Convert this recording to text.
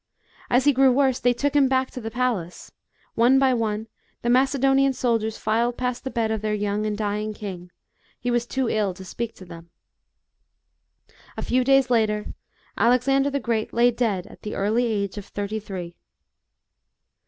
As he grew worse they took him back to the palace. One by one the Macedonian soldiers filed past the bed of their young and dying king ; he was too ill to speak to them. A few days later, Alexander the Great lay dead at the early age of thirty three.